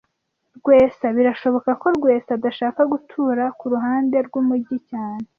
Rwesa birashoboka ko Rwesa adashaka gutura kuruhande rwumujyi cyane